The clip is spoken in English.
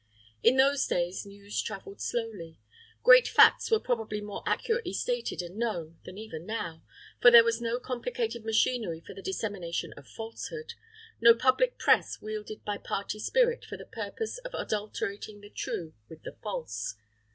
In those days news traveled slowly. Great facts were probably more accurately stated and known than even now; for there was no complicated machinery for the dissemination of falsehood, no public press wielded by party spirit for the purpose of adulterating the true with the false.